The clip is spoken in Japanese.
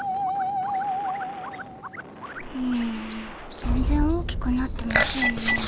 うん全ぜん大きくなってませんね。